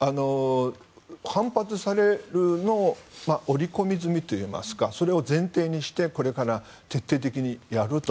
反発されるのを織り込み済みといいますかそれを前提にしてこれから徹底的にやると。